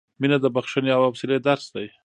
• مینه د بښنې او حوصلې درس دی.